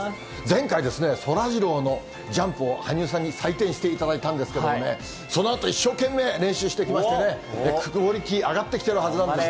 前回ですね、そらジローのジャンプを、羽生さんに採点していただいたんですけどね、そのあと一生懸命練習してきましてね、クオリティー上がってきてるはずなんです。